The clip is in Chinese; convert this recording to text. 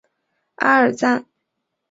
阿尔赞。